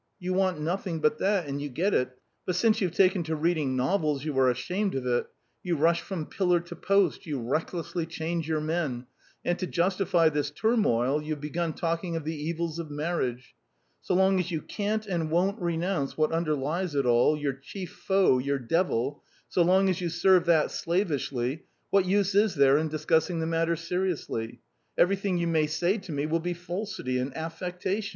You want nothing but that, and you get it; but since you've taken to reading novels you are ashamed of it: you rush from pillar to post, you recklessly change your men, and to justify this turmoil you have begun talking of the evils of marriage. So long as you can't and won't renounce what underlies it all, your chief foe, your devil so long as you serve that slavishly, what use is there in discussing the matter seriously? Everything you may say to me will be falsity and affectation.